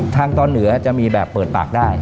ทางตอนเหนือจะมีแบบเปิดปากได้